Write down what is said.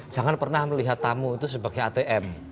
jangan pernah melihat tamu itu sebagai atm